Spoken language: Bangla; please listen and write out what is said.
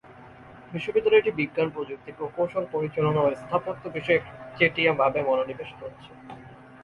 বিশ্ববিদ্যালয়টি বিজ্ঞান, প্রযুক্তি, প্রকৌশল, পরিচালনা ও স্থাপত্য বিষয়ে একচেটিয়া ভাবে মনোনিবেশ করেছে।